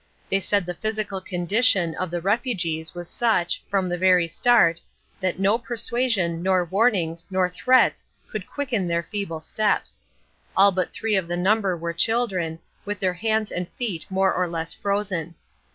They said the physical condition of the refugees was such, from the very start, that no persuasion, nor warnings, nor threats could quicken their feeble steps. All but three of the number were children, with their hands and feet more or less frozen.